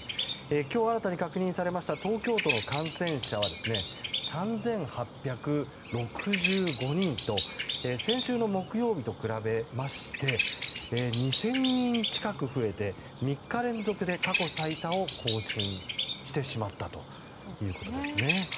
今日新たに確認されました東京都の感染者は３８６５人と先週の木曜日と比べまして２０００人近く増えて３日連続で過去最多を更新してしまったということですね。